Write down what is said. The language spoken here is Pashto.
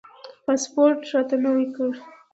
پاسپورټ راته نوی کړ.